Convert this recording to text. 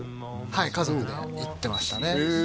はい家族で行ってましたねへえ